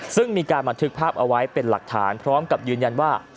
ซึ่งมีการบันทึกภาพเอาไว้เป็นหลักฐานพร้อมกับยืนยันว่า